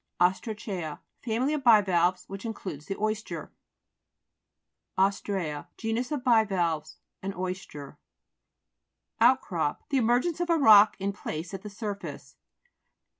OSTRA'CEA Family of bivalves which includes the oyster. OS'TREA Genus of bivalves ; an oyster. OUTCROP The emergence of a rock, in place, at the surface.